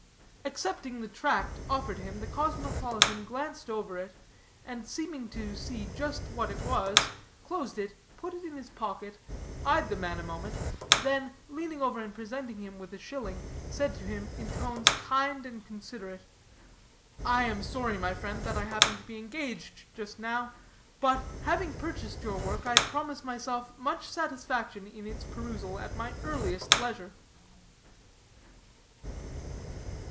Accepting the tract offered him, the cosmopolitan glanced over it, and, seeming to see just what it was, closed it, put it in his pocket, eyed the man a moment, then, leaning over and presenting him with a shilling, said to him, in tones kind and considerate: "I am sorry, my friend, that I happen to be engaged just now; but, having purchased your work, I promise myself much satisfaction in its perusal at my earliest leisure."